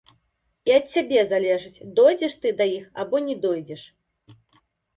І ад цябе залежыць, дойдзеш ты да іх або не дойдзеш.